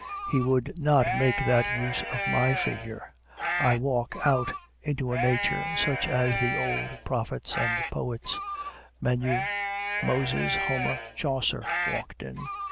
He would not make that use of my figure. I walk out into a Nature such as the old prophets and poets, Menu, Moses, Homer, Chaucer, walked in.